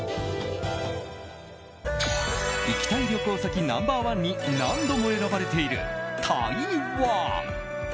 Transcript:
行きたい旅行先ナンバー１に何度も選ばれている台湾。